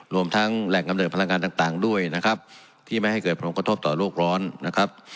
รวมทั้งแหล่งกำเนิดพลังงานต่างด้วยนะครับที่ไม่ให้เกิดผลกระทบต่อโรคร้อนนะครับ